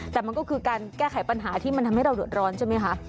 แต่มันก็คือการแก้ไขปัญหาที่มันทำให้เราเดือดร้อนใช่ไหมคะ